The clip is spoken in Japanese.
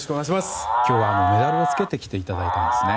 今日はメダルをつけてきていただいたんですね。